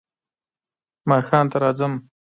ماښام ته راځم .